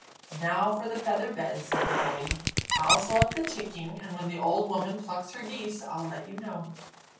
"Now for the feather bed," said Molly. "I'll sew up the ticking, and when the old woman plucks her geese, I'll let you know."